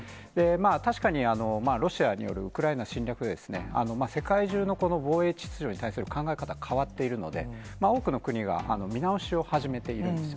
確かにロシアによるウクライナ侵略で、世界中の防衛秩序に対する考え方、変わっているので、多くの国が見直しを始めているんです。